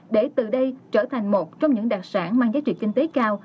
để từ đây trở thành một trong những đặc sản mang giá trị kinh tế cao